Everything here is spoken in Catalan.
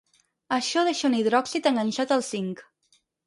Això deixa un hidròxid enganxat al zinc.